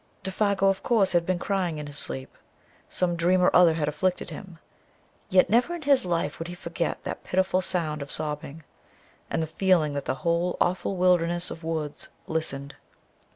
Défago, of course, had been crying in his sleep. Some dream or other had afflicted him. Yet never in his life would he forget that pitiful sound of sobbing, and the feeling that the whole awful wilderness of woods listened....